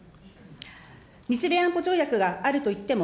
日米安保条約があるといっても、